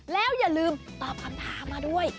แล้วอย่าลืมตอบคำถามมาด้วย